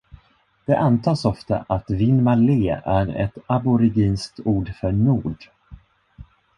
Det antas ofta att Winmalee är ett aboriginskt ord för "nord".